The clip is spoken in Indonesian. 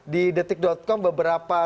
di detik com beberapa